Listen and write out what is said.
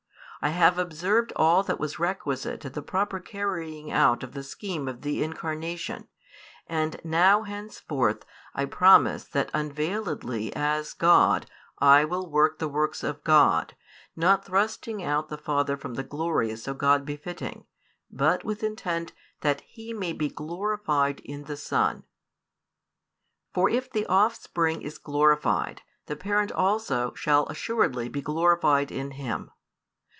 I have observed all that was requisite to the proper carrying out of the scheme of the Incarnation; and now henceforth I promise that unveiledly as God I will work the works of God, not thrusting out the Father from the glory so God befitting, but with intent that He may be glorified in the Son." For if the Offspring is glorified, the Parent also shall assuredly be glorified in Him.